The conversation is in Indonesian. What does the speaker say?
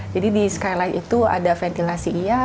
jadi di skylight itu ada ventilasi iya